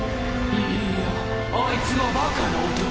いいやあいつはバカな男だ。